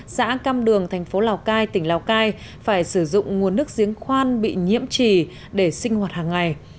xã cam đường thành phố lào cai tỉnh lào cai phải sử dụng nguồn nước giếng khoan bị nhiễm trì để sinh hoạt hàng ngày